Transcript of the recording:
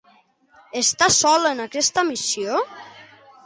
Està sol en aquesta missió?